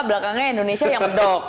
belakangnya indonesia yang medok